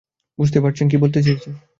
বুঝতে পারছেন কি বলতে চাইছি?